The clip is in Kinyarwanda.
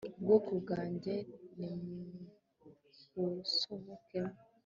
Bwoko bwanjye nimuwusohokemo